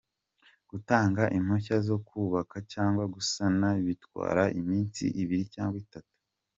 Gutanga impushya zo kubaka cyangwa gusana bitwara iminsi ibiri cyangwa itatu.